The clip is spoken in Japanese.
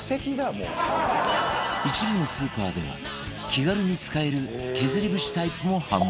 一部のスーパーでは気軽に使える削り節タイプも販売